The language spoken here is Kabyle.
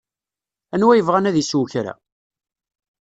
Anwa yebɣan ad isew kra?